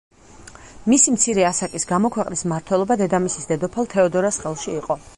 მისი მცირე ასაკის გამო ქვეყნის მმართველობა დედამისის დედოფალ თეოდორას ხელში იყო.